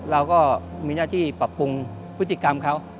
เราก็มีหน้าที่ปรับปรุงพฤติกรรมเขา